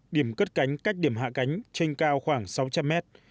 điểm cất cánh cách điểm hạ cánh trên cao khoảng sáu trăm linh mét